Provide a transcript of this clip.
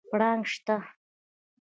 پړانګ شته؟